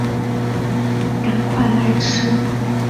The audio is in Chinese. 赶快来吃